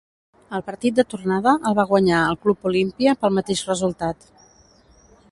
El partit de tornada el va guanyar el Club Olimpia pel mateix resultat.